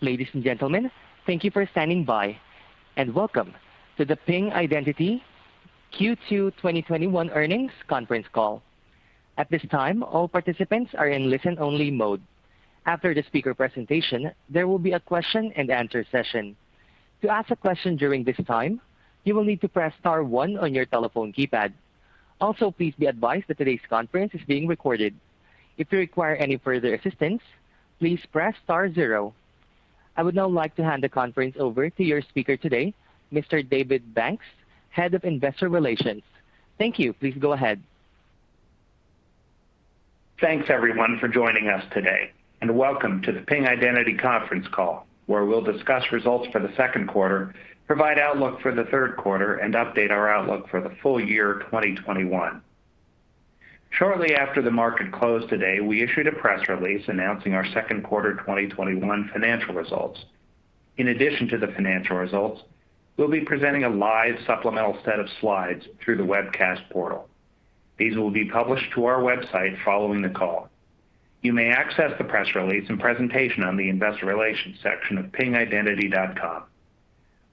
Ladies and gentlemen, thank you for standing by, and welcome to the Ping Identity Q2 2021 earnings conference call. At this time, all participants are in listen-only mode. After the speaker presentation, there will be a question-and-answer session. To ask a question during this time, you will need to press star one on your telephone keypad. Please be advised that today's conference is being recorded. If you require any further assistance, please press star zero. I would now like to hand the conference over to your speaker today, Mr. David Banks, Head of Investor Relations. Thank you. Please go ahead. Thanks everyone for joining us today, and welcome to the Ping Identity conference call, where we'll discuss results for the second quarter, provide outlook for the third quarter, and update our outlook for the full year 2021. Shortly after the market closed today, we issued a press release announcing our second quarter 2021 financial results. In addition to the financial results, we'll be presenting a live supplemental set of slides through the webcast portal. These will be published to our website following the call. You may access the press release and presentation on the investor relations section of pingidentity.com.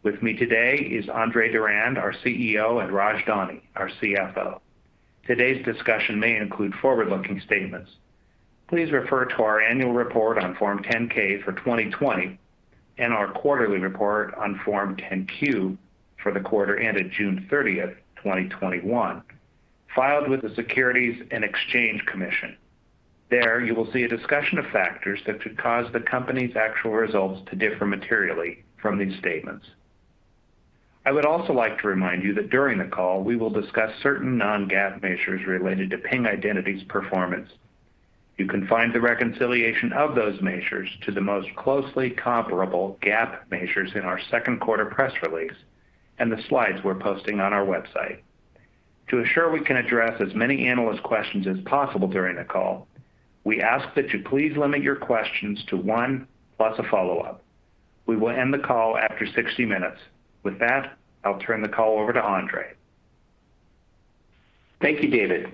With me today is Andre Durand, our CEO, and Raj Dani, our CFO. Today's discussion may include forward-looking statements. Please refer to our annual report on Form 10-K for 2020 and our quarterly report on Form 10-Q for the quarter ended June 30th, 2021, filed with the Securities and Exchange Commission. There, you will see a discussion of factors that could cause the company's actual results to differ materially from these statements. I would also like to remind you that during the call, we will discuss certain non-GAAP measures related to Ping Identity's performance. You can find the reconciliation of those measures to the most closely comparable GAAP measures in our second quarter press release and the slides we're posting on our website. To assure we can address as many analyst questions as possible during the call, we ask that you please limit your questions to one, plus a follow-up. We will end the call after 60 minutes. With that, I'll turn the call over to Andre. Thank you, David.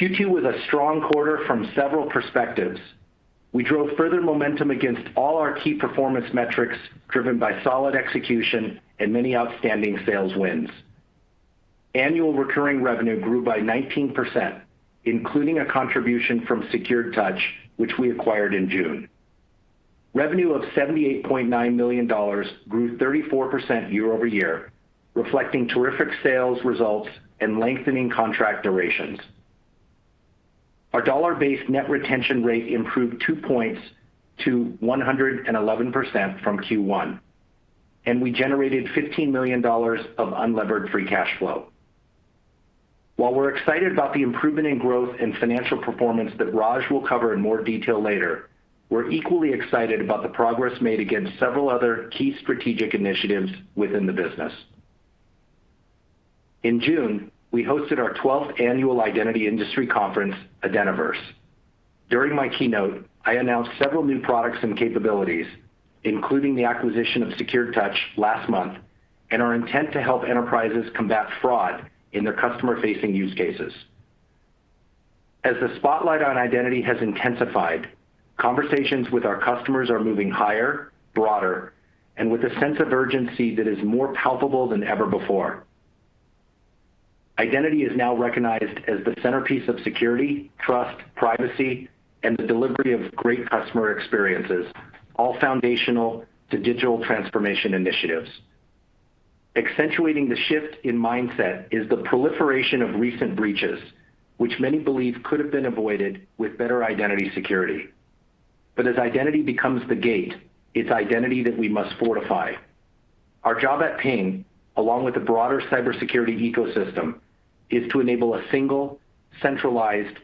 Q2 was a strong quarter from several perspectives. We drove further momentum against all our key performance metrics, driven by solid execution and many outstanding sales wins. Annual recurring revenue grew by 19%, including a contribution from SecuredTouch, which we acquired in June. Revenue of $78.9 million grew 34% year-over-year, reflecting terrific sales results and lengthening contract durations. Our dollar-based net retention rate improved 2 points to 111% from Q1, and we generated $15 million of unlevered free cash flow. While we're excited about the improvement in growth and financial performance that Raj will cover in more detail later, we're equally excited about the progress made against several other key strategic initiatives within the business. In June, we hosted our 12th annual identity industry conference, Identiverse. During my keynote, I announced several new products and capabilities, including the acquisition of SecuredTouch last month, and our intent to help enterprises combat fraud in their customer-facing use cases. As the spotlight on identity has intensified, conversations with our customers are moving higher, broader, and with a sense of urgency that is more palpable than ever before. Identity is now recognized as the centerpiece of security, trust, privacy, and the delivery of great customer experiences, all foundational to digital transformation initiatives. Accentuating the shift in mindset is the proliferation of recent breaches, which many believe could have been avoided with better identity security. As identity becomes the gate, it's identity that we must fortify. Our job at Ping, along with the broader cybersecurity ecosystem, is to enable a single, centralized,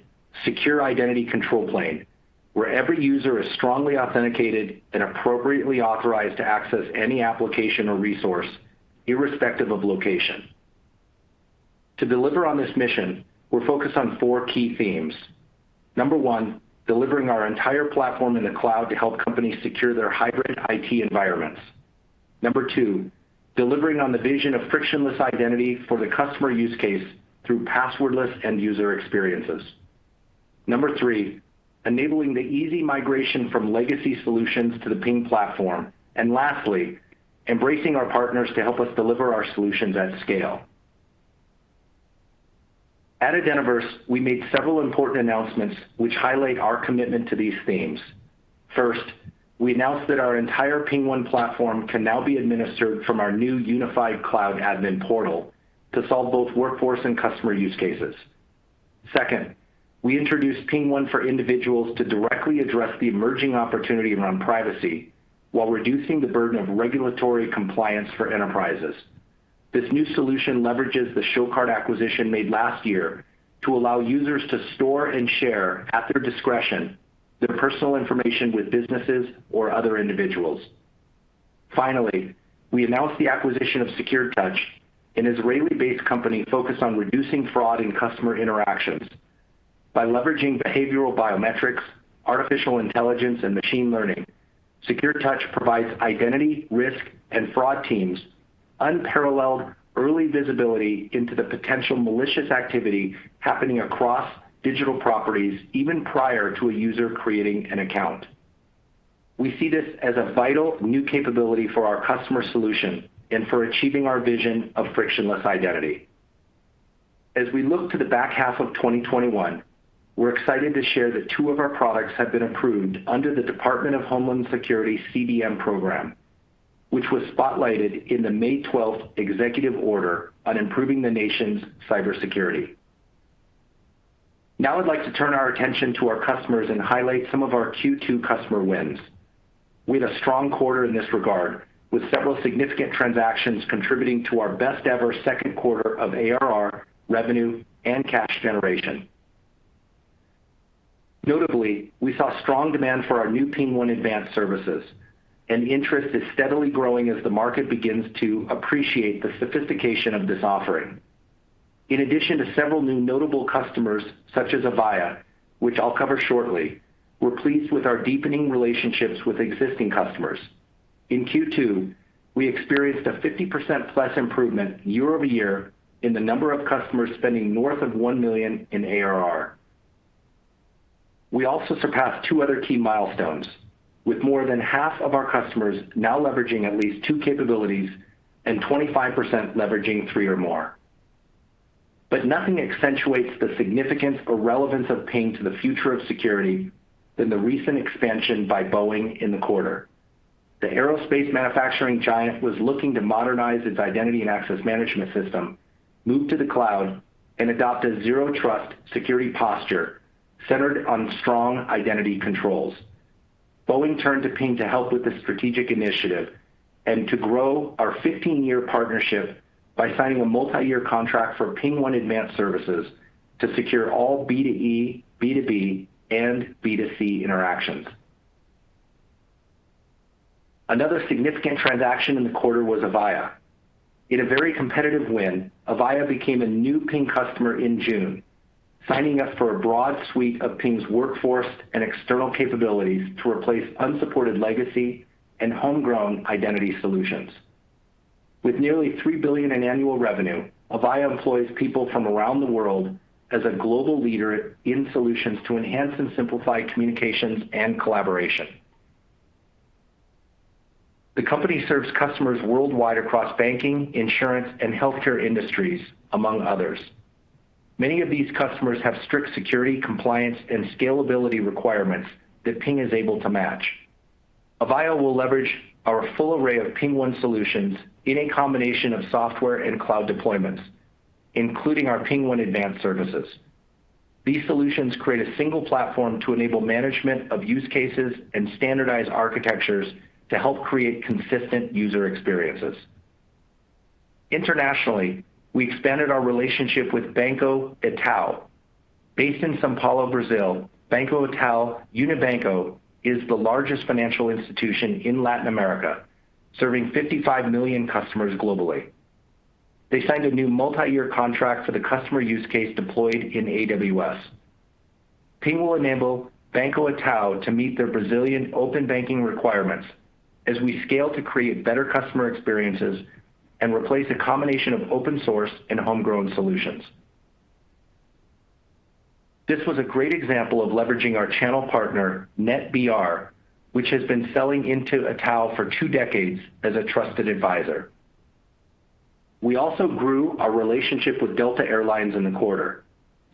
secure identity control plane where every user is strongly authenticated and appropriately authorized to access any application or resource, irrespective of location. To deliver on this mission, we're focused on four key themes. Number one, delivering our entire platform in the cloud to help companies secure their hybrid IT environments. Number two, delivering on the vision of frictionless identity for the Customer use case through passwordless end-user experiences. Number three, enabling the easy migration from legacy solutions to the Ping platform. Lastly, embracing our partners to help us deliver our solutions at scale. At Identiverse, we made several important announcements which highlight our commitment to these themes. First, we announced that our entire PingOne platform can now be administered from our new unified cloud admin portal to solve both Workforce and Customer use cases. Second, we introduced PingOne for Individuals to directly address the emerging opportunity around privacy while reducing the burden of regulatory compliance for enterprises. This new solution leverages the ShoCard acquisition made last year to allow users to store and share, at their discretion, their personal information with businesses or other individuals. Finally, we announced the acquisition of SecuredTouch, an Israeli-based company focused on reducing fraud in customer interactions. By leveraging behavioral biometrics, artificial intelligence, and machine learning, SecuredTouch provides identity, risk, and fraud teams unparalleled early visibility into the potential malicious activity happening across digital properties even prior to a user creating an account. We see this as a vital new capability for our customer solution and for achieving our vision of frictionless identity. As we look to the back half of 2021, we're excited to share that two of our products have been approved under the Department of Homeland Security CDM program, which was spotlighted in the May 12th executive order on improving the nation's cybersecurity. Now, I'd like to turn our attention to our customers and highlight some of our Q2 customer wins. We had a strong quarter in this regard, with several significant transactions contributing to our best-ever second quarter of ARR revenue and cash generation. We saw strong demand for our new PingOne Advanced Services, and interest is steadily growing as the market begins to appreciate the sophistication of this offering. In addition to several new notable customers such as Avaya, which I'll cover shortly, we're pleased with our deepening relationships with existing customers. In Q2, we experienced a 50%+ improvement year-over-year in the number of customers spending north of $1 million in ARR. We also surpassed two other key milestones, with more than half of our customers now leveraging at least two capabilities and 25% leveraging three or more. Nothing accentuates the significance or relevance of Ping to the future of security than the recent expansion by Boeing in the quarter. The aerospace manufacturing giant was looking to modernize its identity and access management system, move to the cloud, and adopt a zero trust security posture centered on strong identity controls. Boeing turned to Ping to help with this strategic initiative and to grow our 15-year partnership by signing a multi-year contract for PingOne Advanced Services to secure all B2E, B2B, and B2C interactions. Another significant transaction in the quarter was Avaya. In a very competitive win, Avaya became a new Ping customer in June, signing up for a broad suite of Ping's Workforce and external capabilities to replace unsupported legacy and homegrown identity solutions. With nearly $3 billion in annual revenue, Avaya employs people from around the world as a global leader in solutions to enhance and simplify communications and collaboration. The company serves customers worldwide across banking, insurance, and healthcare industries, among others. Many of these customers have strict security compliance and scalability requirements that Ping is able to match. Avaya will leverage our full array of PingOne solutions in a combination of software and cloud deployments, including our PingOne Advanced Services. These solutions create a single platform to enable management of use cases and standardized architectures to help create consistent user experiences. Internationally, we expanded our relationship with Banco Itaú. Based in São Paulo, Brazil, Banco Itaú Unibanco is the largest financial institution in Latin America, serving 55 million customers globally. They signed a new multi-year contract for the Customer use case deployed in AWS. Ping will enable Banco Itaú to meet their Brazilian open banking requirements as we scale to create better customer experiences and replace a combination of open source and homegrown solutions. This was a great example of leveraging our channel partner, NetBR, which has been selling into Itaú for two decades as a trusted advisor. We also grew our relationship with Delta Air Lines in the quarter,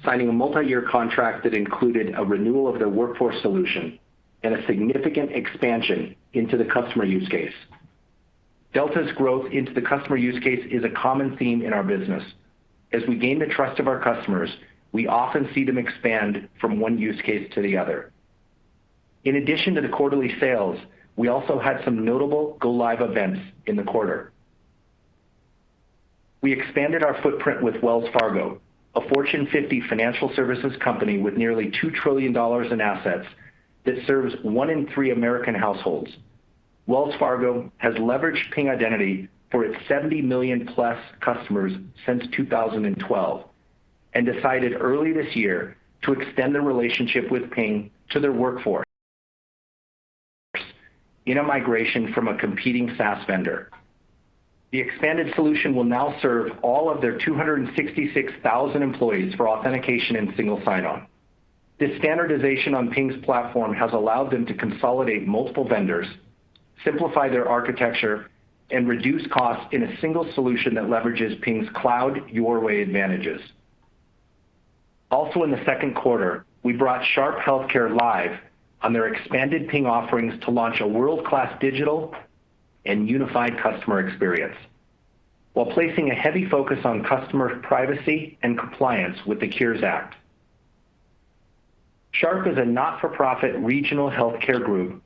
signing a multi-year contract that included a renewal of their Workforce solution and a significant expansion into the Customer use case. Delta's growth into the Customer use case is a common theme in our business. As we gain the trust of our customers, we often see them expand from one use case to the other. In addition to the quarterly sales, we also had some notable go live events in the quarter. We expanded our footprint with Wells Fargo, a Fortune 50 financial services company with nearly $2 trillion in assets that serves one-in-three American households. Wells Fargo has leveraged Ping Identity for its 70+ million customers since 2012 and decided early this year to extend their relationship with Ping to their Workforce in a migration from a competing SaaS vendor. The expanded solution will now serve all of their 266,000 employees for authentication and single sign-on. This standardization on Ping's platform has allowed them to consolidate multiple vendors, simplify their architecture, and reduce costs in a single solution that leverages Ping's cloud your way advantages. In the second quarter, we brought Sharp HealthCare live on their expanded Ping offerings to launch a world-class digital and unified customer experience while placing a heavy focus on customer privacy and compliance with the Cures Act. Sharp is a not-for-profit regional healthcare group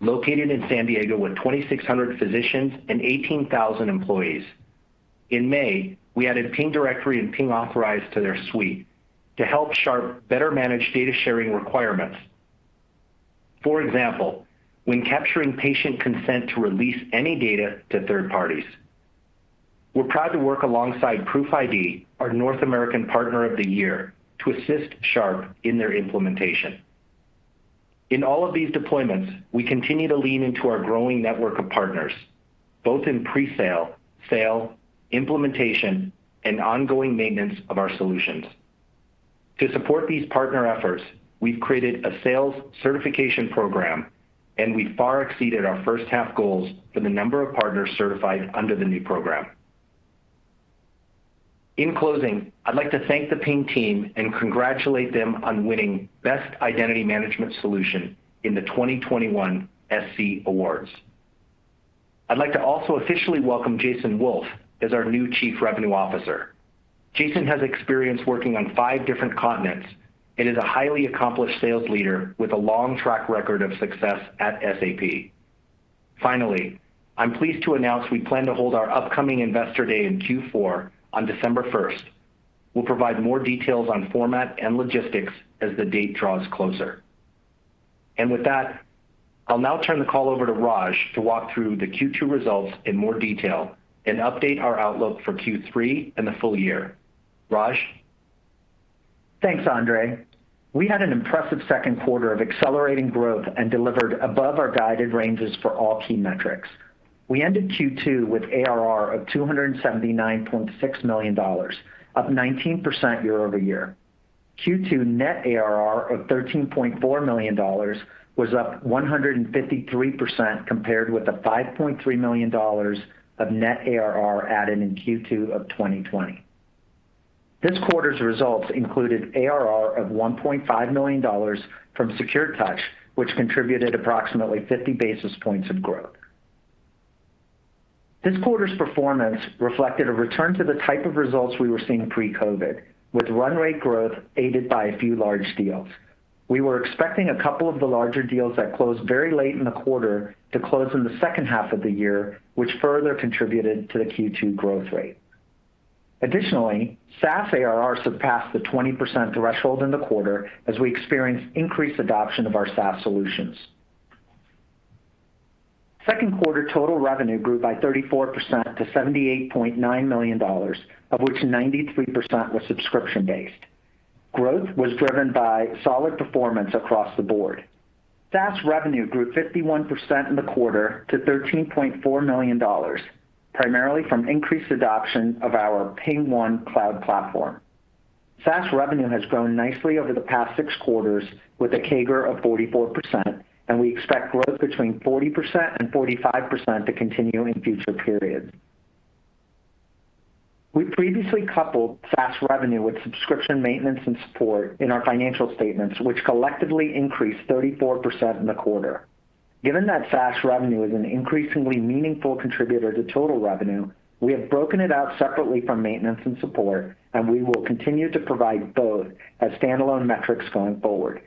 located in San Diego with 2,600 physicians and 18,000 employees. In May, we added PingDirectory and PingAuthorize to their suite to help Sharp better manage data sharing requirements. For example, when capturing patient consent to release any data to third parties. We're proud to work alongside ProofID, our North American partner of the year, to assist Sharp in their implementation. In all of these deployments, we continue to lean into our growing network of partners, both in pre-sale, sale, implementation, and ongoing maintenance of our solutions. To support these partner efforts, we've created a Sales Certification Program, and we far exceeded our first half goals for the number of partners certified under the new program. In closing, I'd like to thank the Ping team and congratulate them on winning Best Identity Management Solution in the 2021 SC Awards. I'd like to also officially welcome Jason Wolf as our new Chief Revenue Officer. Jason has experience working on five different continents and is a highly accomplished sales leader with a long track record of success at SAP. Finally, I'm pleased to announce we plan to hold our upcoming Investor Day in Q4 on December 1st. We'll provide more details on format and logistics as the date draws closer. With that, I'll now turn the call over to Raj to walk through the Q2 results in more detail and update our outlook for Q3 and the full year. Raj? Thanks, Andre. We had an impressive second quarter of accelerating growth and delivered above our guided ranges for all key metrics. We ended Q2 with ARR of $279.6 million, up 19% year-over-year. Q2 net ARR of $13.4 million was up 153%, compared with the $5.3 million of net ARR added in Q2 of 2020. This quarter's results included ARR of $1.5 million from SecuredTouch, which contributed approximately 50 basis points of growth. This quarter's performance reflected a return to the type of results we were seeing pre-COVID, with run rate growth aided by a few large deals. We were expecting a couple of the larger deals that closed very late in the quarter to close in the second half of the year, which further contributed to the Q2 growth rate. Additionally, SaaS ARR surpassed the 20% threshold in the quarter as we experienced increased adoption of our SaaS solutions. Second quarter total revenue grew by 34% to $78.9 million, of which 93% was subscription-based. Growth was driven by solid performance across the board. SaaS revenue grew 51% in the quarter to $13.4 million, primarily from increased adoption of our PingOne cloud platform. SaaS revenue has grown nicely over the past six quarters with a CAGR of 44%, and we expect growth between 40% and 45% to continue in future periods. We previously coupled SaaS revenue with subscription maintenance and support in our financial statements, which collectively increased 34% in the quarter. Given that SaaS revenue is an increasingly meaningful contributor to total revenue, we have broken it out separately from maintenance and support, and we will continue to provide both as standalone metrics going forward.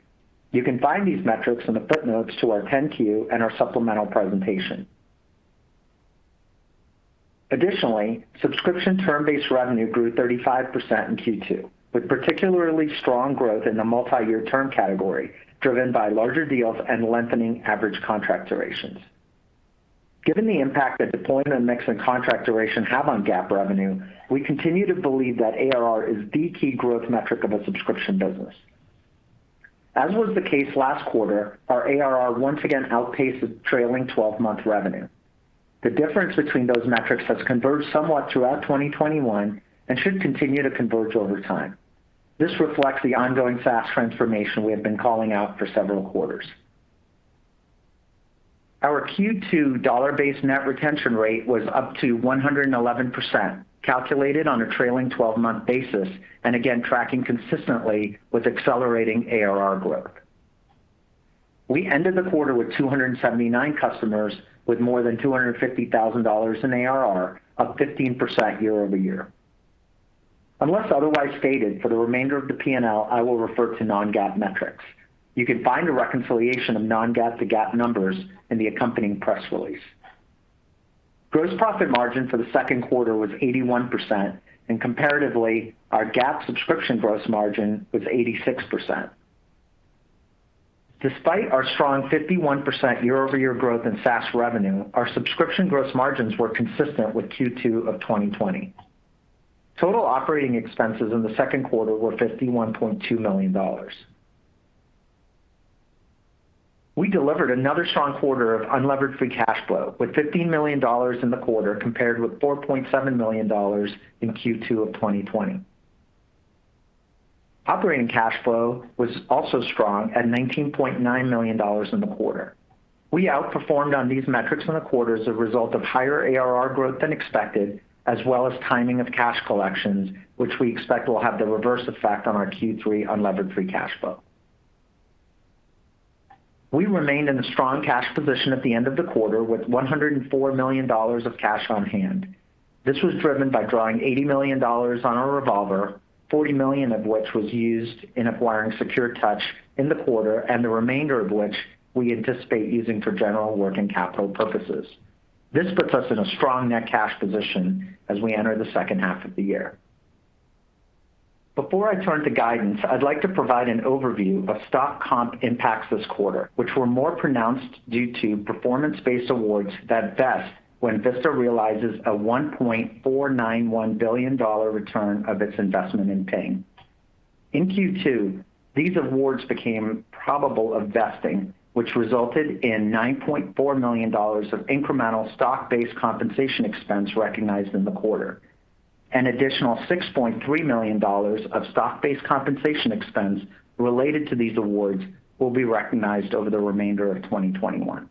You can find these metrics in the footnotes to our 10-Q and our supplemental presentation. Additionally, subscription term-based revenue grew 35% in Q2, with particularly strong growth in the multi-year term category, driven by larger deals and lengthening average contract durations. Given the impact that deployment and mix and contract duration have on GAAP revenue, we continue to believe that ARR is the key growth metric of a subscription business. As was the case last quarter, our ARR once again outpaced the trailing 12-month revenue. The difference between those metrics has converged somewhat throughout 2021 and should continue to converge over time. This reflects the ongoing SaaS transformation we have been calling out for several quarters. Our Q2 dollar-based net retention rate was up to 111%, calculated on a trailing 12-month basis, and again, tracking consistently with accelerating ARR growth. We ended the quarter with 279 customers with more than $250,000 in ARR, up 15% year-over-year. Unless otherwise stated, for the remainder of the P&L, I will refer to non-GAAP metrics. You can find a reconciliation of non-GAAP to GAAP numbers in the accompanying press release. Gross profit margin for the second quarter was 81%, and comparatively, our GAAP subscription gross margin was 86%. Despite our strong 51% year-over-year growth in SaaS revenue, our subscription gross margins were consistent with Q2 of 2020. Total operating expenses in the second quarter were $51.2 million. We delivered another strong quarter of unlevered free cash flow, with $15 million in the quarter compared with $4.7 million in Q2 of 2020. Operating cash flow was also strong at $19.9 million in the quarter. We outperformed on these metrics in the quarter as a result of higher ARR growth than expected, as well as timing of cash collections, which we expect will have the reverse effect on our Q3 unlevered free cash flow. We remained in a strong cash position at the end of the quarter with $104 million of cash on-hand. This was driven by drawing $80 million on our revolver, $40 million of which was used in acquiring SecuredTouch in the quarter, and the remainder of which we anticipate using for general working capital purposes. This puts us in a strong net cash position as we enter the second half of the year. Before I turn to guidance, I'd like to provide an overview of stock comp impacts this quarter, which were more pronounced due to performance-based awards that vest when Vista realizes a $1.491 billion return of its investment in Ping. In Q2, these awards became probable of vesting, which resulted in $9.4 million of incremental stock-based compensation expense recognized in the quarter. An additional $6.3 million of stock-based compensation expense related to these awards will be recognized over the remainder of 2021.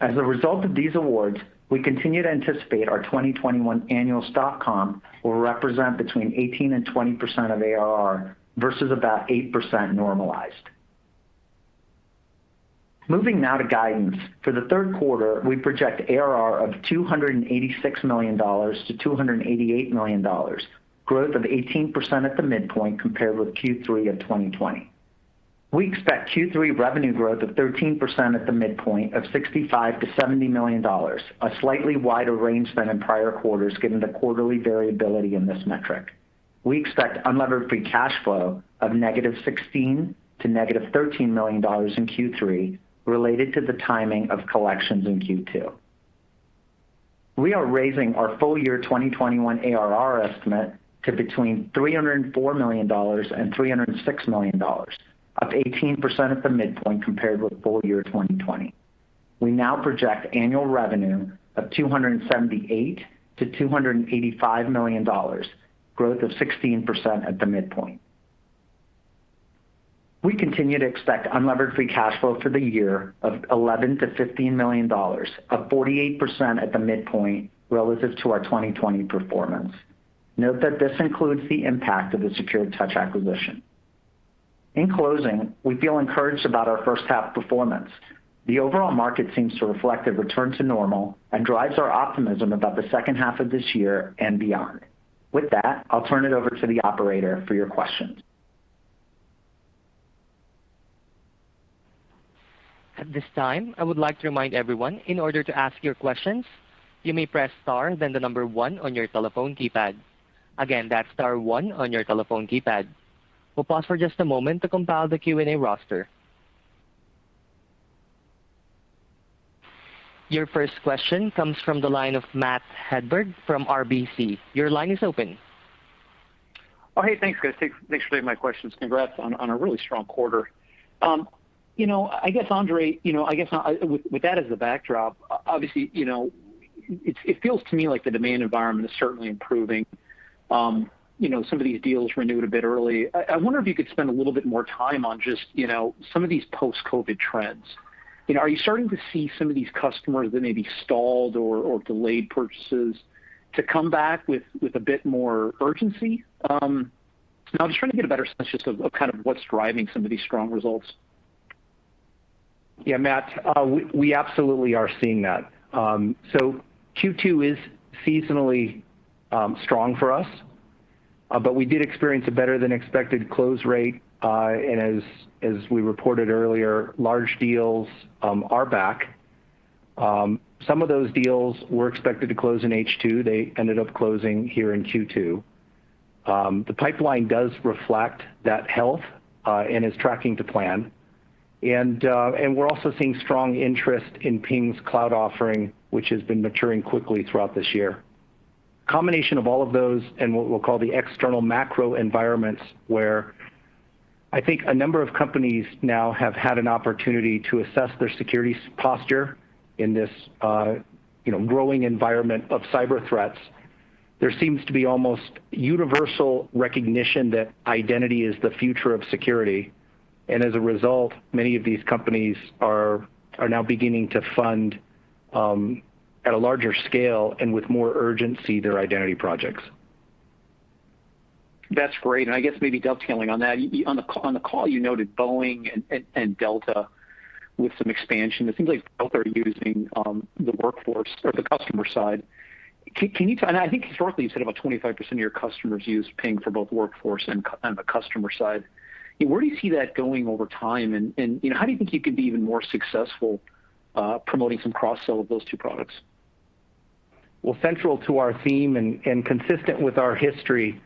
As a result of these awards, we continue to anticipate our 2021 annual stock comp will represent between 18% and 20% of ARR versus about 8% normalized. Moving now to guidance. For the third quarter, we project ARR of $286 million-$288 million, growth of 18% at the midpoint compared with Q3 of 2020. We expect Q3 revenue growth of 13% at the midpoint of $65 million-$70 million, a slightly wider range than in prior quarters given the quarterly variability in this metric. We expect unlevered free cash flow of -$16 million to -$13 million in Q3 related to the timing of collections in Q2. We are raising our full year 2021 ARR estimate to between $304 million and $306 million, up 18% at the midpoint compared with full year 2020. We now project annual revenue of $278 million-$285 million, growth of 16% at the midpoint. We continue to expect unlevered free cash flow for the year of $11 million-$15 million, up 48% at the midpoint relative to our 2020 performance. Note that this includes the impact of the SecuredTouch acquisition. In closing, we feel encouraged about our first half performance. The overall market seems to reflect a return to normal and drives our optimism about the second half of this year and beyond. With that, I'll turn it over to the operator for your questions. At this time, I would like to remind everyone, in order to ask your questions, you may press star then the number one on your telephone keypad. Again, that's star one on your telephone keypad. We'll pause for just a moment to compile the Q&A roster. Your first question comes from the line of Matt Hedberg from RBC. Your line is open. Oh, hey, thanks guys. Thanks for taking my questions. Congrats on a really strong quarter. I guess, Andre, with that as the backdrop, obviously, it feels to me like the demand environment is certainly improving. Some of these deals renewed a bit early. I wonder if you could spend a little bit more time on just some of these post-COVID trends. Are you starting to see some of these customers that maybe stalled or delayed purchases to come back with a bit more urgency? I'm just trying to get a better sense just of kind of what's driving some of these strong results. Matt, we absolutely are seeing that. Q2 is seasonally strong for us, but we did experience a better-than-expected close rate. As we reported earlier, large deals are back. Some of those deals were expected to close in H2. They ended up closing here in Q2. The pipeline does reflect that health, and is tracking to plan. We're also seeing strong interest in Ping's cloud offering, which has been maturing quickly throughout this year. A combination of all of those and what we'll call the external macro environments, where I think a number of companies now have had an opportunity to assess their security posture in this growing environment of cyber threats. There seems to be almost universal recognition that identity is the future of security, and as a result, many of these companies are now beginning to fund at a larger scale and with more urgency their identity projects. That's great, and I guess maybe dovetailing on that. On the call, you noted Boeing and Delta with some expansion. It seems like Delta are using the Workforce or the Customer side. I think historically you said about 25% of your customers use Ping for both Workforce and the Customer side. Where do you see that going over time, and how do you think you could be even more successful promoting some cross-sell of those two products? Central to our theme and consistent with our history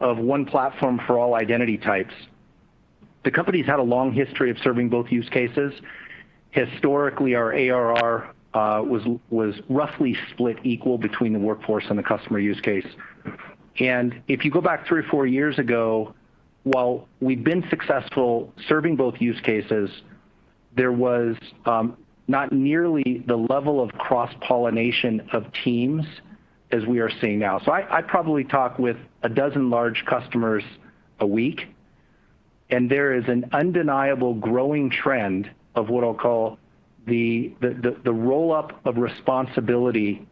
of one platform for all identity types, the company's had a long history of serving both use cases. Historically, our ARR was roughly split equal between the Workforce and the Customer use case. If you go back three or four years ago, while we've been successful serving both use cases, there was not nearly the level of cross-pollination of teams as we are seeing now. I probably talk with a dozen large customers a week, and there is an undeniable growing trend of what I'll call the roll-up of responsibility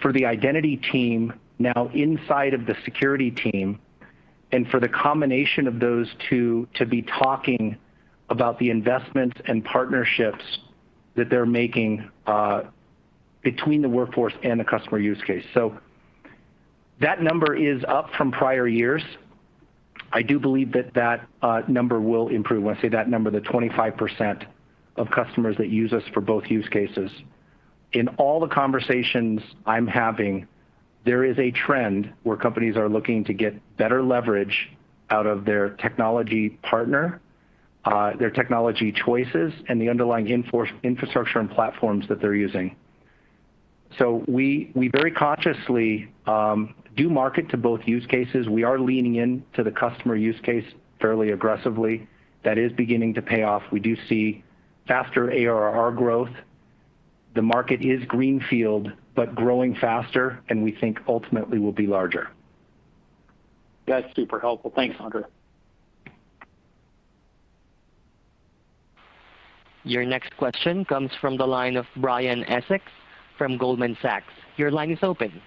for the identity team now inside of the security team, and for the combination of those two to be talking about the investments and partnerships that they're making between the Workforce and the Customer use case. That number is up from prior years. I do believe that that number will improve. When I say that number, the 25% of customers that use us for both use cases. In all the conversations I'm having, there is a trend where companies are looking to get better leverage out of their technology partner, their technology choices, and the underlying infrastructure and platforms that they're using. We very consciously do market to both use cases. We are leaning into the Customer use case fairly aggressively. That is beginning to pay off. We do see faster ARR growth. The market is greenfield, but growing faster, and we think ultimately will be larger. That's super helpful. Thanks, Andre. Your next question comes from the line of Brian Essex from Goldman Sachs. Your line is open.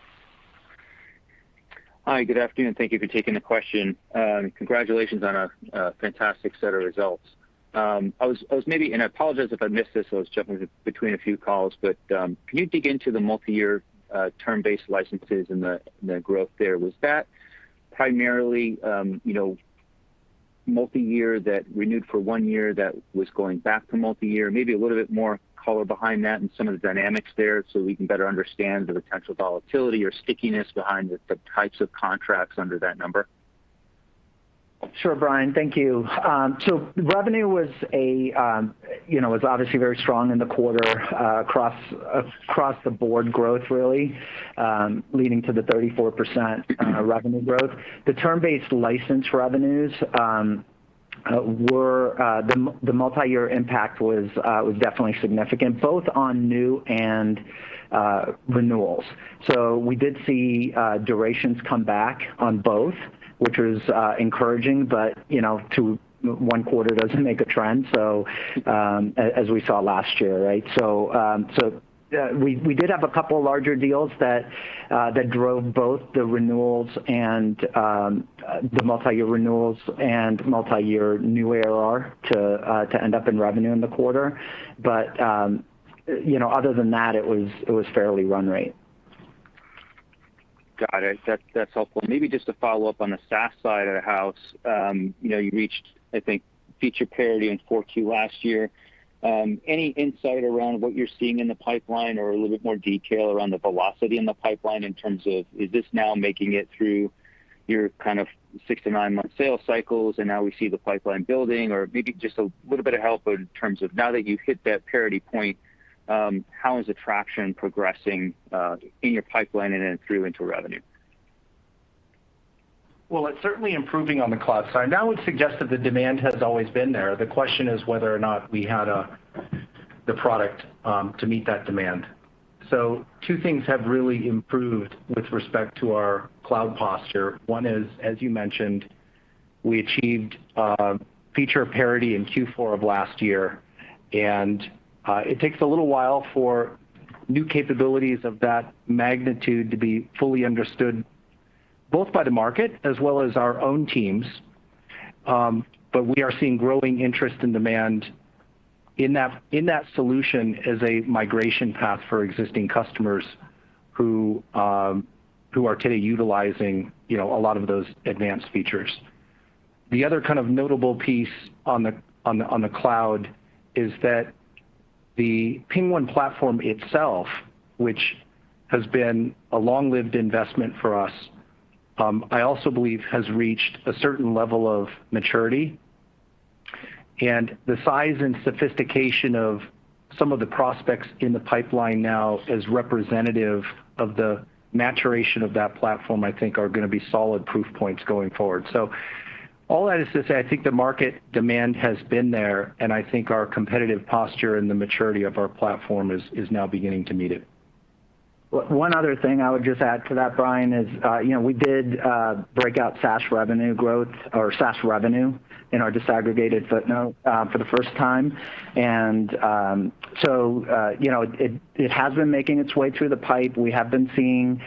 Hi, good afternoon. Thank you for taking the question. Congratulations on a fantastic set of results. I apologize if I missed this, I was jumping between a few calls. Can you dig into the multiyear term-based licenses and the growth there? Was that primarily multiyear that renewed for one year that was going back to multiyear? Maybe a little bit more color behind that and some of the dynamics there so we can better understand the potential volatility or stickiness behind the types of contracts under that number. Sure, Brian, thank you. Revenue was obviously very strong in the quarter, across the board growth, really, leading to the 34% revenue growth. The term-based license revenues, the multiyear impact was definitely significant, both on new and renewals. We did see durations come back on both, which was encouraging, but one quarter doesn't make a trend, as we saw last year. We did have a couple larger deals that drove both the multiyear renewals and multiyear new ARR to end up in revenue in the quarter. Other than that, it was fairly run rate. Got it. That's helpful. Maybe just to follow up on the SaaS side of the house. You reached, I think, feature parity in 4Q last year. Any insight around what you're seeing in the pipeline or a little bit more detail around the velocity in the pipeline in terms of is this now making it through your six- to nine-month sales cycles, and now we see the pipeline building? Maybe just a little bit of help in terms of now that you've hit that parity point, how is the traction progressing in your pipeline and then through into revenue? Well, it's certainly improving on the cloud side. That would suggest that the demand has always been there. The question is whether or not we had the product to meet that demand. Two things have really improved with respect to our cloud posture. One is, as you mentioned, we achieved feature parity in Q4 of last year. It takes a little while for new capabilities of that magnitude to be fully understood, both by the market as well as our own teams. We are seeing growing interest and demand in that solution as a migration path for existing customers who are today utilizing a lot of those advanced features. The other notable piece on the cloud is that the PingOne platform itself, which has been a long-lived investment for us, I also believe has reached a certain level of maturity. The size and sophistication of some of the prospects in the pipeline now as representative of the maturation of that platform, I think are going to be solid proof points going forward. All that is to say, I think the market demand has been there, and I think our competitive posture and the maturity of our platform is now beginning to meet it. One other thing I would just add to that, Brian, is we did break out SaaS revenue growth or SaaS revenue in our disaggregated footnote for the first time. It has been making its way through the pipe. We have been seeing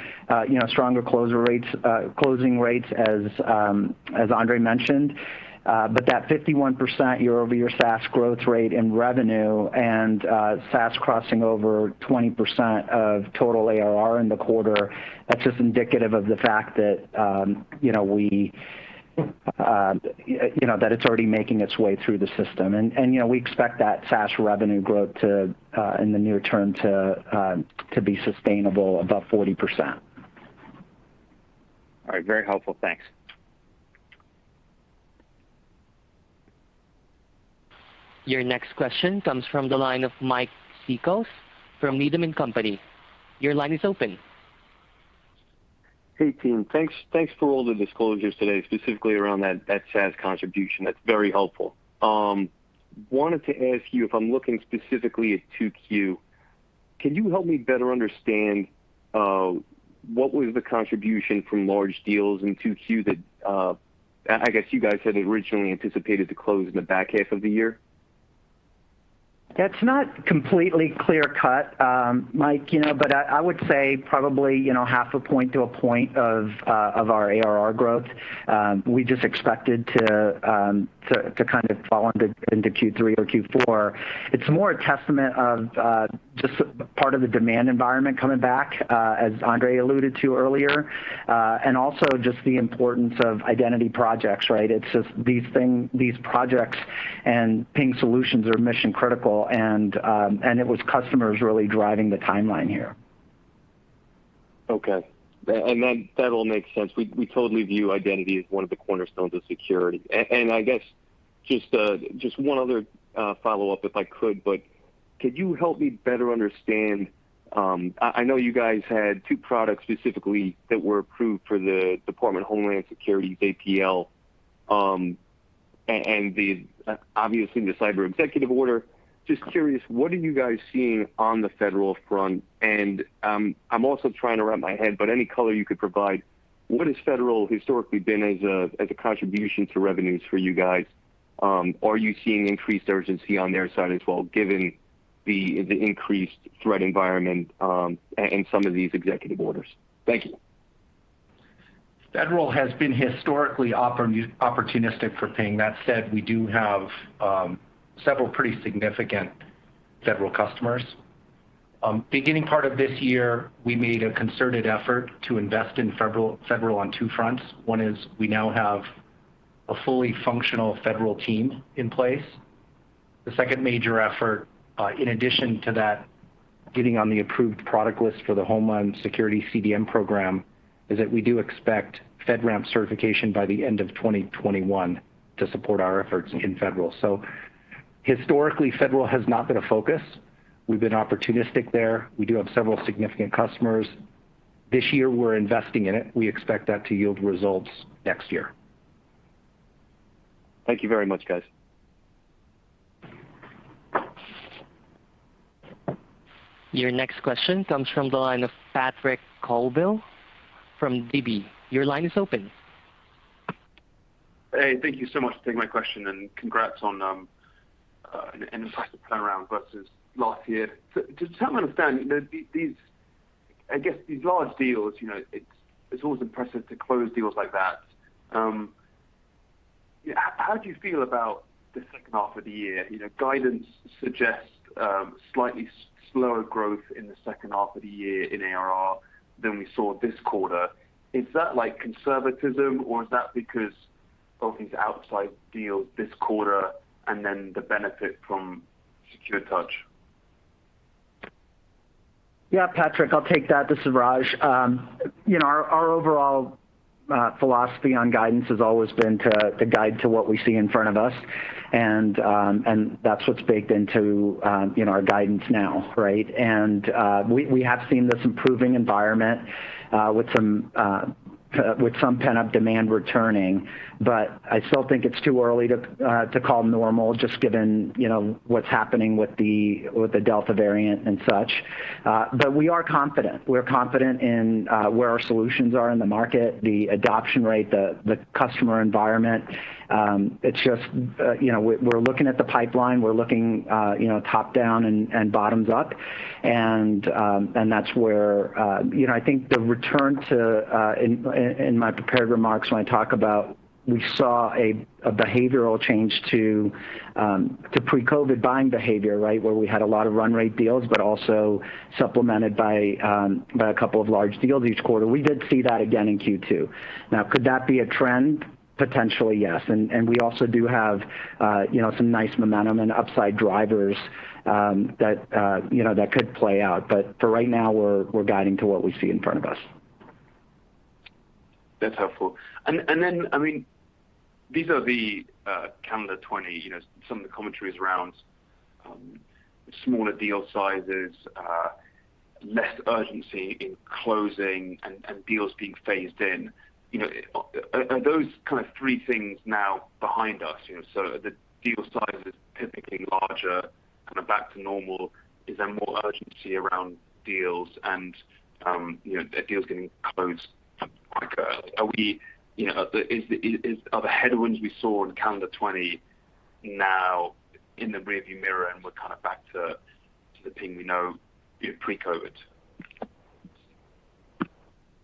stronger closing rates, as Andre mentioned. That 51% year-over-year SaaS growth rate in revenue and SaaS crossing over 20% of total ARR in the quarter, that's just indicative of the fact that it's already making its way through the system. We expect that SaaS revenue growth in the near term to be sustainable above 40%. All right. Very helpful. Thanks. Your next question comes from the line of Mike Cikos from Needham & Company. Your line is open. Hey, team. Thanks for all the disclosures today, specifically around that SaaS contribution. That's very helpful. Wanted to ask you if I'm looking specifically at 2Q, can you help me better understand what was the contribution from large deals in 2Q that I guess you guys had originally anticipated to close in the back half of the year? It's not completely clear-cut, Mike, but I would say probably 0.5 points to 1 point of our ARR growth we just expected to fall into Q3 or Q4. It's more a testament of just part of the demand environment coming back, as Andre alluded to earlier, and also just the importance of identity projects. It's just these projects and Ping solutions are mission-critical, and it was customers really driving the timeline here. Okay. Then that all makes sense. We totally view identity as one of the cornerstones of security. I guess just one other follow-up if I could, but could you help me better understand? I know you guys had two products specifically that were approved for the Department of Homeland Security's APL, and obviously the cyber executive order. Just curious, what are you guys seeing on the federal front? I'm also trying to wrap my head, but any color you could provide, what has federal historically been as a contribution to revenues for you guys? Are you seeing increased urgency on their side as well, given the increased threat environment, and some of these executive orders? Thank you. Federal has been historically opportunistic for Ping. That said, we do have several pretty significant federal customers. Beginning part of this year, we made a concerted effort to invest in federal on two fronts. One is we now have a fully functional federal team in place. The second major effort, in addition to that, getting on the approved product list for the Homeland Security CDM program, is that we do expect FedRAMP certification by the end of 2021 to support our efforts in federal. Historically, federal has not been a focus. We've been opportunistic there. We do have several significant customers. This year, we're investing in it. We expect that to yield results next year. Thank you very much, guys. Your next question comes from the line of Patrick Colville from DB. Your line is open. Hey, thank you so much for taking my question and congrats on an impressive turnaround versus last year. To help me understand, I guess these large deals, it's always impressive to close deals like that. How do you feel about the second half of the year? Guidance suggests slightly slower growth in the second half of the year in ARR than we saw this quarter. Is that conservatism or is that because of these outside deals this quarter and then the benefit from SecuredTouch? Patrick, I'll take that. This is Raj. Our overall philosophy on guidance has always been to guide to what we see in front of us, and that's what's baked into our guidance now. We have seen this improving environment with some pent-up demand returning, but I still think it's too early to call normal just given what's happening with the Delta variant and such. We are confident. We're confident in where our solutions are in the market, the adoption rate, the customer environment. It's just we're looking at the pipeline. We're looking top-down and bottoms up, and that's where I think the return to—In my prepared remarks, when I talk about we saw a behavioral change to pre-COVID buying behavior, where we had a lot of run rate deals, but also supplemented by a couple of large deals this quarter. We did see that again in Q2. Could that be a trend? Potentially, yes. We also do have some nice momentum and upside drivers that could play out. For right now, we're guiding to what we see in front of us. That's helpful. These are the calendar 2020, some of the commentary around smaller deal sizes, less urgency in closing, and deals being phased in. Are those kind of three things now behind us? The deal size is typically larger, kind of back to normal. Is there more urgency around deals and deals getting closed quicker? Are the headwinds we saw in calendar 2020 now in the rearview mirror and we're kind of back to the Ping we know pre-COVID?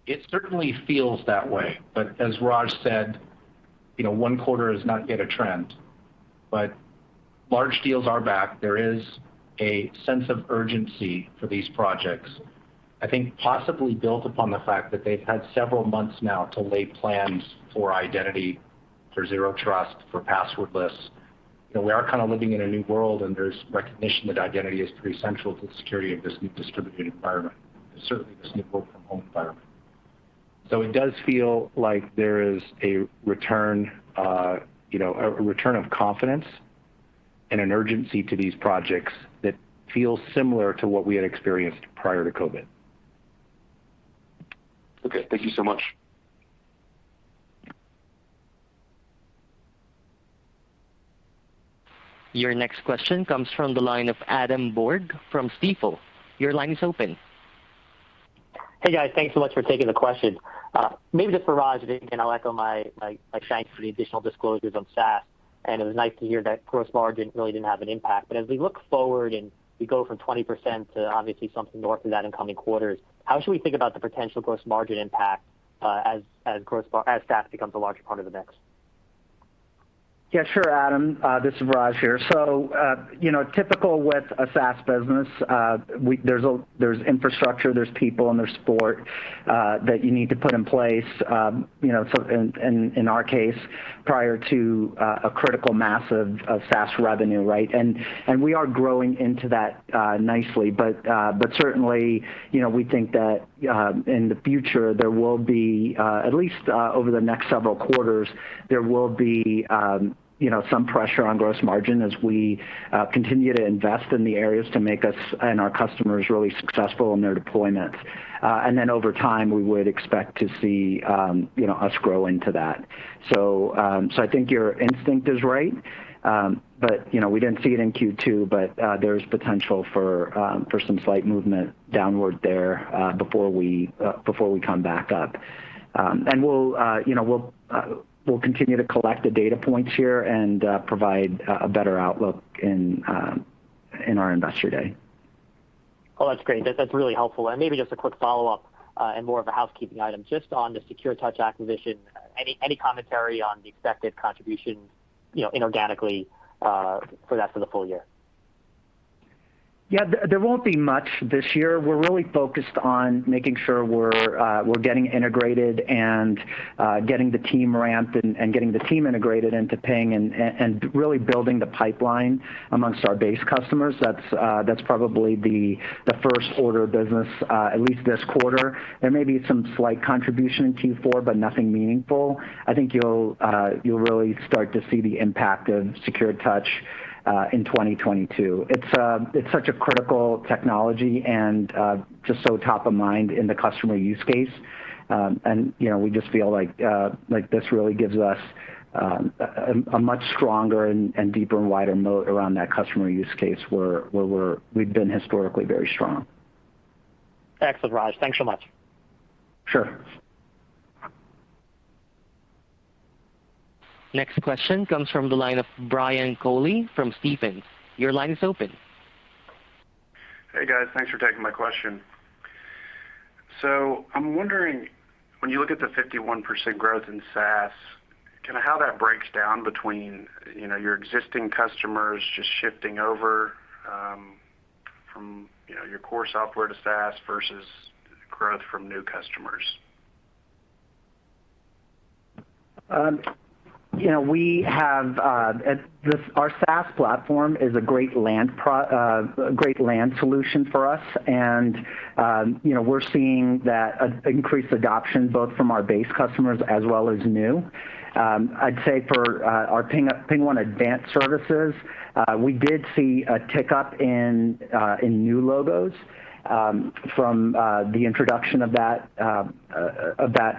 It certainly feels that way. As Raj said, one quarter is not yet a trend. Large deals are back. There is a sense of urgency for these projects, I think possibly built upon the fact that they've had several months now to lay plans for identity, for zero trust, for passwordless. We are kind of living in a new world and there's recognition that identity is pretty central to the security of this new distributed environment, and certainly this new work from home environment. It does feel like there is a return of confidence and an urgency to these projects that feels similar to what we had experienced prior to COVID. Okay. Thank you so much. Your next question comes from the line of Adam Borg from Stifel. Your line is open. Hey, guys. Thanks so much for taking the question. Maybe just for Raj, and I'll echo my thanks for the additional disclosures on SaaS, and it was nice to hear that gross margin really didn't have an impact. As we look forward and we go from 20% to obviously something north of that in coming quarters, how should we think about the potential gross margin impact, as SaaS becomes a larger part of the mix? Sure, Adam. This is Raj here. Typical with a SaaS business, there's infrastructure, there's people, and there's support that you need to put in place, in our case, prior to a critical mass of SaaS revenue. We are growing into that nicely. Certainly, we think that in the future there will be, at least over the next several quarters, there will be some pressure on gross margin as we continue to invest in the areas to make us and our customers really successful in their deployments. Over time, we would expect to see us grow into that. I think your instinct is right. We didn't see it in Q2, but there is potential for some slight movement downward there before we come back up. We'll continue to collect the data points here and provide a better outlook in our Investor Day. Oh, that's great. That's really helpful. Maybe just a quick follow-up, and more of a housekeeping item, just on the SecuredTouch acquisition. Any commentary on the expected contribution inorganically for that for the full year? There won't be much this year. We're really focused on making sure we're getting integrated and getting the team ramped and getting the team integrated into Ping and really building the pipeline amongst our base customers. That's probably the first order of business, at least this quarter. There may be some slight contribution in Q4, but nothing meaningful. I think you'll really start to see the impact of SecuredTouch in 2022. It's such a critical technology and just so top of mind in the Customer use case. We just feel like this really gives us a much stronger and deeper and wider moat around that Customer use case where we've been historically very strong. Excellent, Raj. Thanks so much. Sure. Next question comes from the line of Brian Colley from Stephens. Your line is open. Hey, guys. Thanks for taking my question. I'm wondering, when you look at the 51% growth in SaaS, how that breaks down between your existing customers just shifting over from your core software to SaaS versus growth from new customers. Our SaaS platform is a great land solution for us. We're seeing that increased adoption both from our base customers as well as new. I'd say for our PingOne Advanced Services, we did see a tick-up in new logos from the introduction of that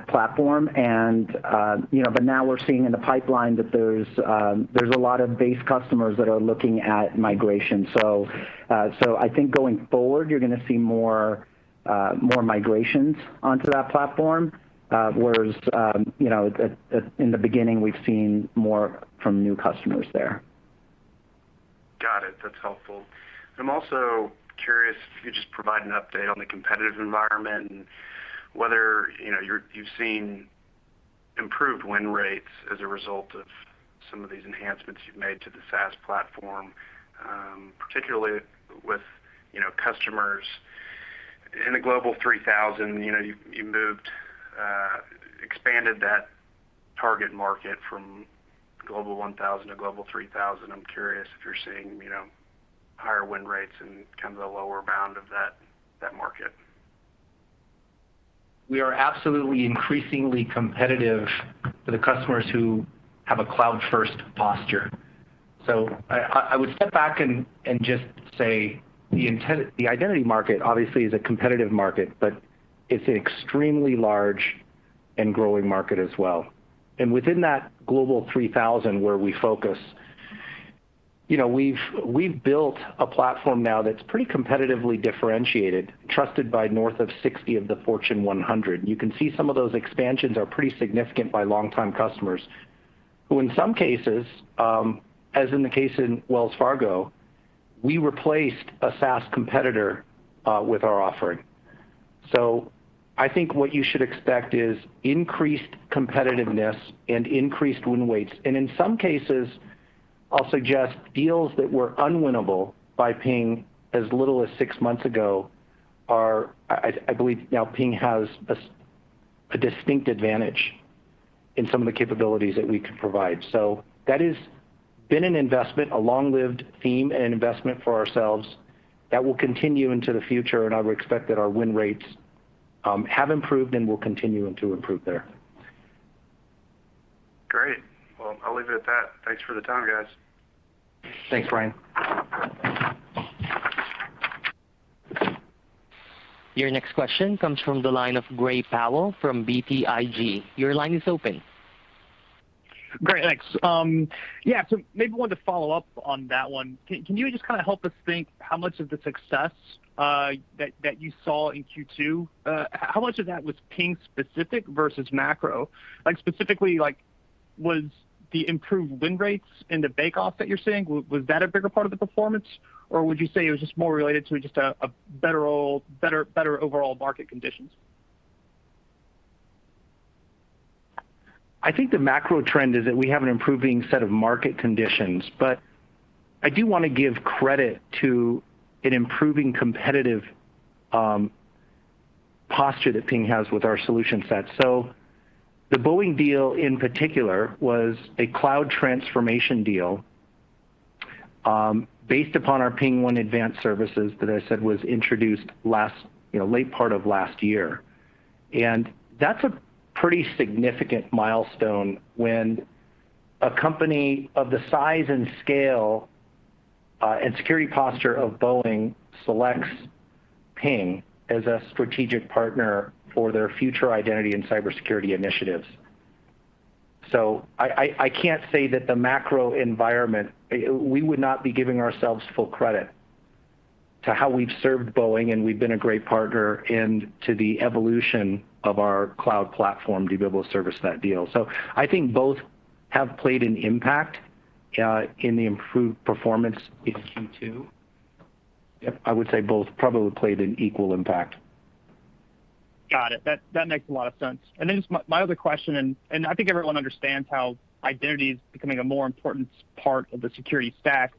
platform. Now, we're seeing in the pipeline that there's a lot of base customers that are looking at migration. I think going forward, you're going to see more migrations onto that platform, whereas in the beginning we've seen more from new customers there. Got it. That's helpful. I'm also curious if you could just provide an update on the competitive environment and whether you've seen improved win rates as a result of some of these enhancements you've made to the SaaS platform, particularly with customers in the Global 3000. You expanded that target market from Global 1000 to Global 3000. I'm curious if you're seeing higher win rates in the lower bound of that market. We are absolutely increasingly competitive for the customers who have a cloud-first posture. I would step back and just say the identity market obviously is a competitive market, but it's an extremely large and growing market as well. Within that Global 3000 where we focus, we've built a platform now that's pretty competitively differentiated, trusted by north of 60 of the Fortune 100. You can see some of those expansions are pretty significant by longtime customers, who in some cases, as in the case in Wells Fargo, we replaced a SaaS competitor with our offering. I think what you should expect is increased competitiveness and increased win rates. In some cases, I'll suggest deals that were unwinnable by Ping as little as six months ago are, I believe now Ping has a distinct advantage in some of the capabilities that we can provide. That has been an investment, a long-lived theme and investment for ourselves that will continue into the future, and I would expect that our win rates have improved and will continue to improve there. Great. I'll leave it at that. Thanks for the time, guys. Thanks, Brian. Your next question comes from the line of Gray Powell from BTIG. Your line is open. Great, thanks. Maybe wanted to follow up on that one. Can you just help us think how much of the success that you saw in Q2, how much of that was Ping-specific versus macro? Specifically, was the improved win rates in the bake-off that you're seeing, was that a bigger part of the performance? Or would you say it was just more related to just better overall market conditions? I think the macro trend is that we have an improving set of market conditions, but I do want to give credit to an improving competitive posture that Ping has with our solution set. The Boeing deal in particular was a cloud transformation deal based upon our PingOne Advanced Services that I said was introduced late part of last year. That's a pretty significant milestone when a company of the size and scale, and security posture of Boeing selects Ping as a strategic partner for their future identity and cybersecurity initiatives. I can't say that the macro environment—We would not be giving ourselves full credit to how we've served Boeing, and we've been a great partner and to the evolution of our cloud platform to be able to service that deal. I think both have played an impact in the improved performance in Q2. I would say both probably played an equal impact. Got it. That makes a lot of sense. Just my other question, I think everyone understands how identity's becoming a more important part of the security stack.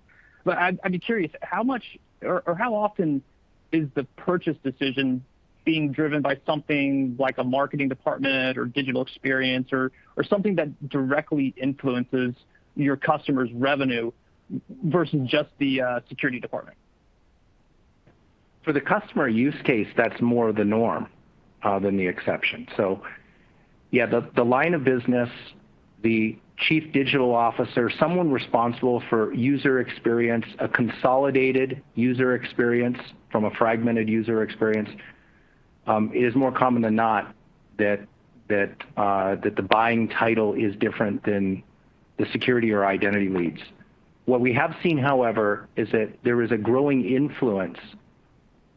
I'd be curious, how much or how often is the purchase decision being driven by something like a marketing department or digital experience or something that directly influences your Customer's revenue versus just the security department? For the Customer use case, that's more the norm than the exception. The line of business, the Chief Digital Officer, someone responsible for user experience, a consolidated user experience from a fragmented user experience, it is more common than not that the buying title is different than the security or identity leads. What we have seen, however, is that there is a growing influence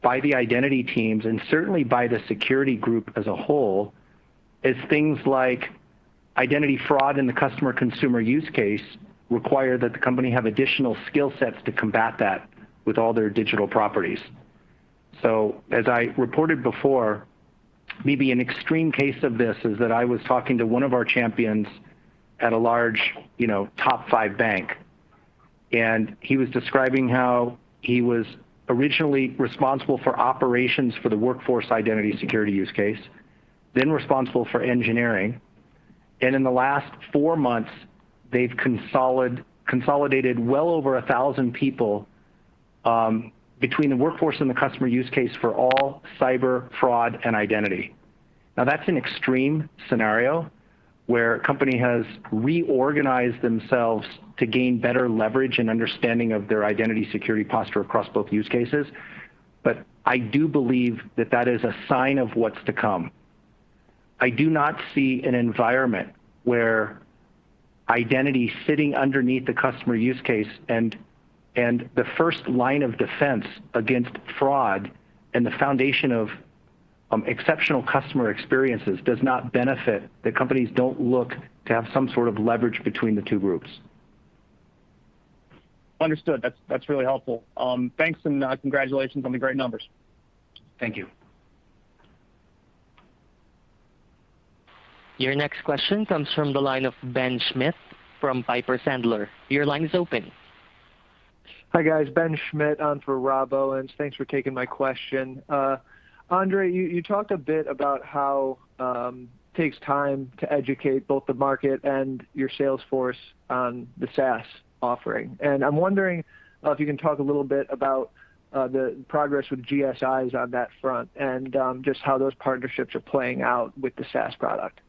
by the identity teams and certainly by the security group as a whole as things like identity fraud in the Customer consumer use case require that the company have additional skill sets to combat that with all their digital properties. As I reported before, maybe an extreme case of this is that I was talking to one of our champions at a large top five bank, and he was describing how he was originally responsible for operations for the Workforce identity security use case, then responsible for engineering. In the last four months they've consolidated well over 1,000 people, between the Workforce and the Customer use case for all cyber fraud and identity. That's an extreme scenario where a company has reorganized themselves to gain better leverage and understanding of their identity security posture across both use cases. I do believe that that is a sign of what's to come. I do not see an environment where identity sitting underneath the Customer use case and the first line of defense against fraud and the foundation of exceptional customer experiences does not benefit, the companies don't look to have some sort of leverage between the two groups. Understood. That's really helpful. Thanks. Congratulations on the great numbers. Thank you. Your next question comes from the line of Ben Schmitt from Piper Sandler. Your line is open. Hi, guys. Ben Schmitt on for Rob Owens. Thanks for taking my question. Andre, you talked a bit about how it takes time to educate both the market and your sales force on the SaaS offering. I'm wondering if you can talk a little bit about the progress with GSIs on that front and just how those partnerships are playing out with the SaaS product.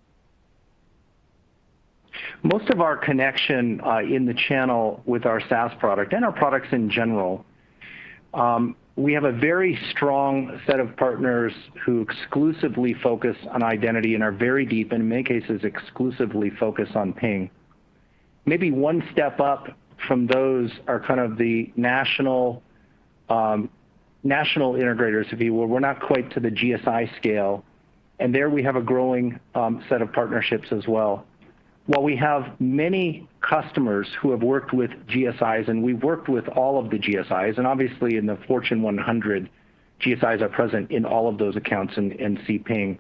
Most of our connection in the channel with our SaaS product and our products in general, we have a very strong set of partners who exclusively focus on identity and are very deep, and in many cases, exclusively focus on Ping. Maybe one step up from those are kind of the national integrators, if you will. We're not quite to the GSI scale, and there we have a growing set of partnerships as well. While we have many customers who have worked with GSIs, and we've worked with all of the GSIs, and obviously in the Fortune 100, GSIs are present in all of those accounts and see Ping.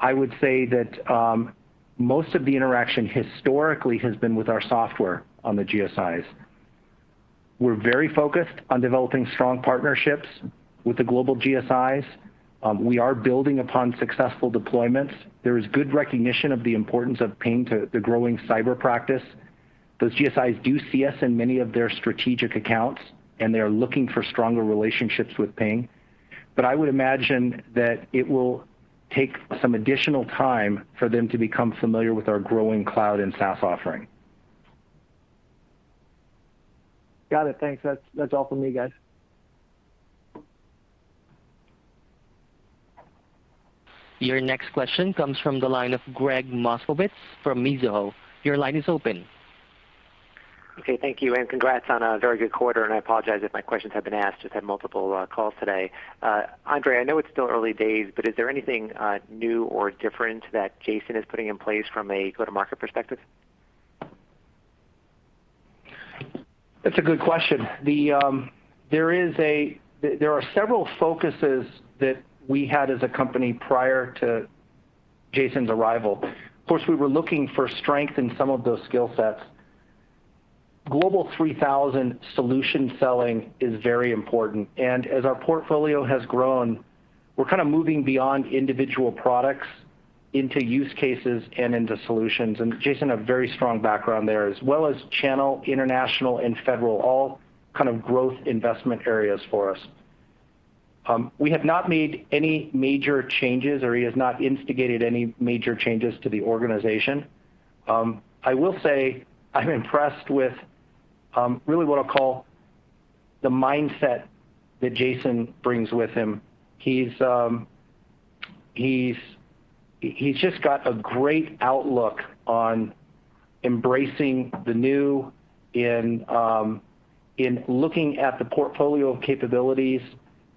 I would say that most of the interaction historically has been with our software on the GSIs. We're very focused on developing strong partnerships with the global GSIs. We are building upon successful deployments. There is good recognition of the importance of Ping to the growing cyber practice. Those GSIs do see us in many of their strategic accounts, and they are looking for stronger relationships with Ping. I would imagine that it will take some additional time for them to become familiar with our growing cloud and SaaS offering. Got it. Thanks. That's all from me, guys. Your next question comes from the line of Gregg Moskowitz from Mizuho. Your line is open. Okay. Thank you. Congrats on a very good quarter. I apologize if my questions have been asked. Just had multiple calls today. Andre, I know it's still early days. Is there anything new or different that Jason is putting in place from a go-to-market perspective? That's a good question. There are several focuses that we had as a company prior to Jason's arrival. Of course, we were looking for strength in some of those skill sets. Global 3000 solution selling is very important, and as our portfolio has grown, we're kind of moving beyond individual products into use cases and into solutions. Jason have very strong background there, as well as channel, international, and federal, all kind of growth investment areas for us. We have not made any major changes, or he has not instigated any major changes to the organization. I will say I'm impressed with really what I'll call the mindset that Jason brings with him. He's just got a great outlook on embracing the new in looking at the portfolio of capabilities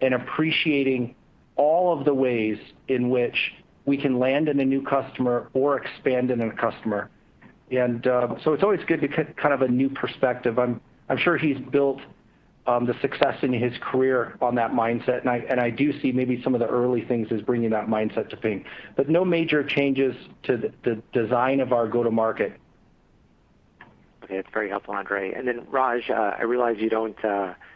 and appreciating all of the ways in which we can land in a new customer or expand in a customer. It's always good to get kind of a new perspective. I'm sure he's built the success in his career on that mindset, and I do see maybe some of the early things as bringing that mindset to Ping. No major changes to the design of our go-to market. Okay. That's very helpful, Andre. Then Raj, I realize you don't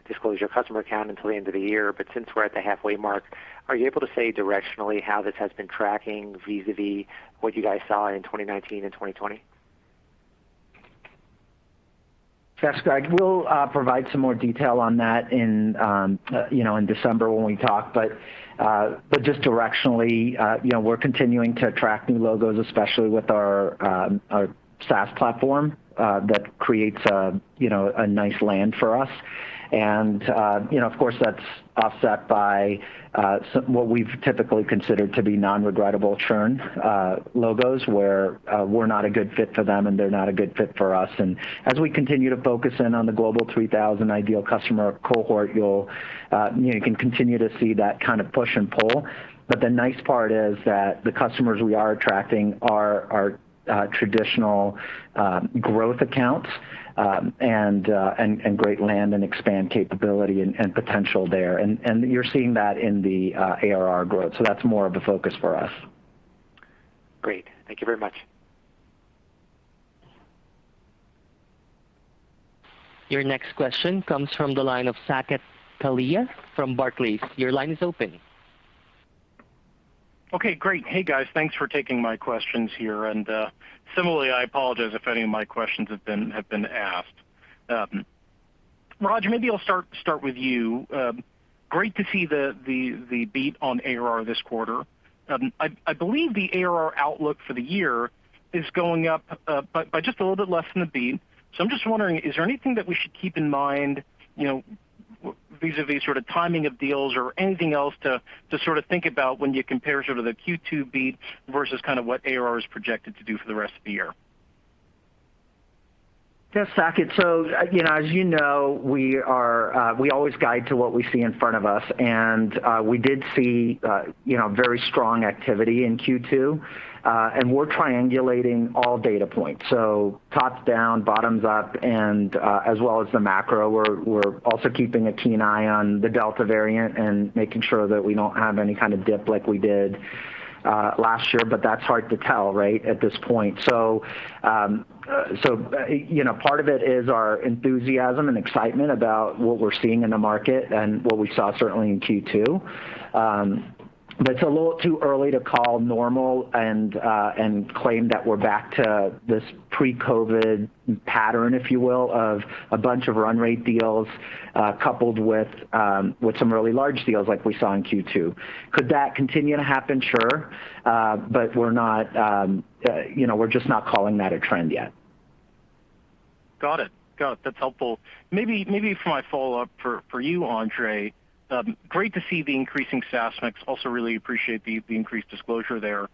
disclose your customer count until the end of the year, but since we're at the halfway mark, are you able to say directionally how this has been tracking vis-à-vis what you guys saw in 2019 and 2020? Yes, Gregg, we'll provide some more detail on that in December when we talk. Just directionally, we're continuing to attract new logos, especially with our SaaS platform, that creates a nice land for us. Of course, that's offset by what we've typically considered to be non-regrettable churn logos where we're not a good fit for them, and they're not a good fit for us. As we continue to focus in on the Global 3000 ideal customer cohort, you can continue to see that kind of push and pull. The nice part is that the customers we are attracting are traditional growth accounts, and great land and expand capability and potential there. You're seeing that in the ARR growth, so that's more of a focus for us. Great. Thank you very much. Your next question comes from the line of Saket Kalia from Barclays. Your line is open. Okay, great. Hey, guys. Thanks for taking my questions here, and similarly, I apologize if any of my questions have been asked. Raj, maybe I'll start with you. Great to see the beat on ARR this quarter. I believe the ARR outlook for the year is going up by just a little bit less than the beat. I'm just wondering, is there anything that we should keep in mind vis-à-vis sort of timing of deals or anything else to sort of think about when you compare sort of the Q2 beat versus kind of what ARR is projected to do for the rest of the year? Yes, Saket. As you know, we always guide to what we see in front of us, and we did see very strong activity in Q2. We're triangulating all data points, so top-down, bottoms up, and as well as the macro. We're also keeping a keen eye on the Delta variant and making sure that we don't have any kind of dip like we did last year, but that's hard to tell, at this point. Part of it is our enthusiasm and excitement about what we're seeing in the market and what we saw certainly in Q2. It's a little too early to call normal and claim that we're back to this pre-COVID pattern, if you will, of a bunch of run rate deals coupled with some really large deals like we saw in Q2. Could that continue to happen? Sure. We're just not calling that a trend yet. Got it. That's helpful. Maybe for my follow-up for you, Andre, great to see the increasing SaaS mix. Also really appreciate the increased disclosure there.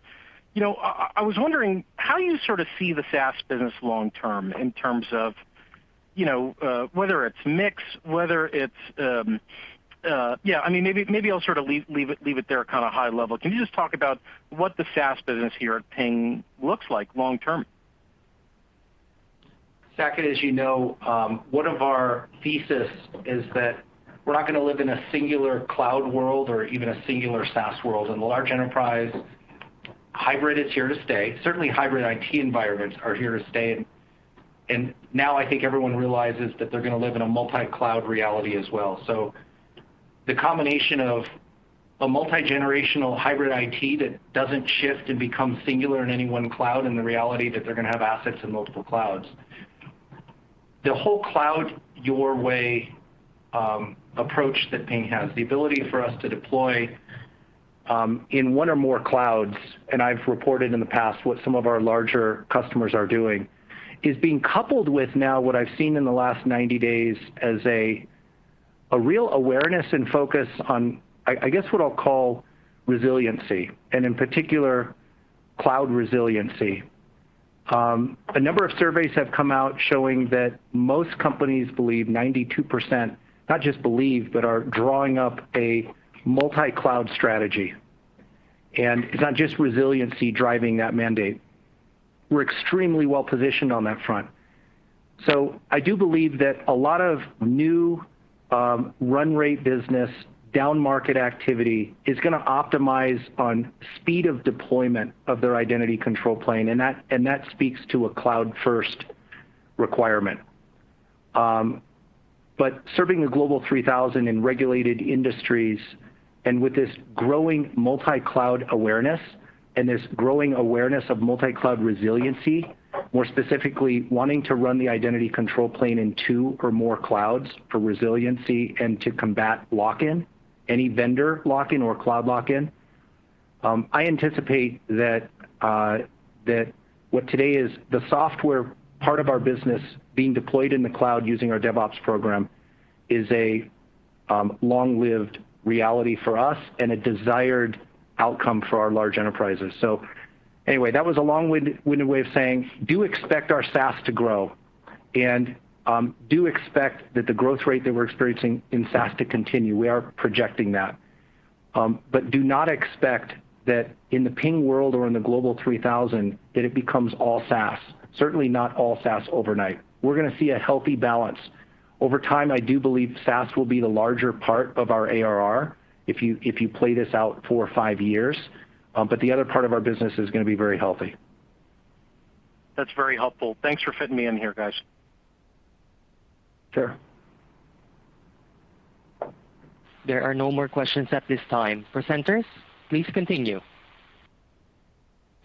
I was wondering, how you sort of see the SaaS business long term. Maybe I'll sort of leave it there kind of high level. Can you just talk about what the SaaS business here at Ping looks like long term? Saket, as you know, one of our thesis is that we're not going to live in a singular cloud world or even a singular SaaS world. In the large enterprise, hybrid is here to stay. Certainly hybrid IT environments are here to stay. Now, I think everyone realizes that they're going to live in a multi-cloud reality as well, the combination of a multi-generational hybrid IT that doesn't shift and become singular in any one cloud, and the reality that they're going to have assets in multiple clouds. The whole cloud your way approach that Ping has, the ability for us to deploy in one or more clouds, and I've reported in the past what some of our larger customers are doing, is being coupled with now what I've seen in the last 90 days as a real awareness and focus on, I guess, what I'll call resiliency, and in particular, cloud resiliency. A number of surveys have come out showing that most companies believe 92%, not just believe, but are drawing up a multi-cloud strategy. It's not just resiliency driving that mandate. We're extremely well-positioned on that front. I do believe that a lot of new run rate business, down-market activity, is going to optimize on speed of deployment of their identity control plane, and that speaks to a cloud-first requirement. Serving the Global 3000 in regulated industries and with this growing multi-cloud awareness and this growing awareness of multi-cloud resiliency, more specifically wanting to run the identity control plane in two or more clouds for resiliency and to combat lock-in, any vendor lock-in or cloud lock-in, I anticipate that what today is the software part of our business being deployed in the cloud using our DevOps program is a long-lived reality for us and a desired outcome for our large enterprises. Anyway, that was a long-winded way of saying, do expect our SaaS to grow, and do expect that the growth rate that we're experiencing in SaaS to continue. We are projecting that. Do not expect that in the Ping world or in the Global 3000, that it becomes all SaaS. Certainly not all SaaS overnight. We're going to see a healthy balance. Over time, I do believe SaaS will be the larger part of our ARR if you play this out four or five years. The other part of our business is going to be very healthy. That's very helpful. Thanks for fitting me in here, guys. Sure. There are no more questions at this time. Presenters, please continue.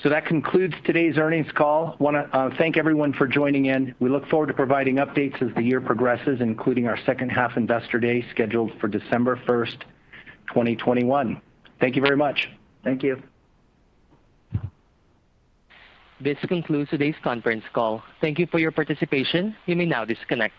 That concludes today's earnings call. I want to thank everyone for joining in. We look forward to providing updates as the year progresses, including our second half Investor Day scheduled for December 1st, 2021. Thank you very much. Thank you. This concludes today's conference call. Thank you for your participation. You may now disconnect.